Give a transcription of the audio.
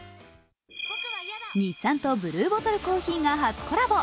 日産とブルーボトルコーヒーが初コラボ。